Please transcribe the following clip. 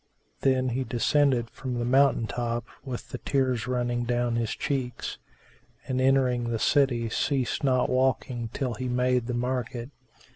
Then he descended from the mountain top with the tears running down his cheeks; and, entering the city, ceased not walking till he made the market.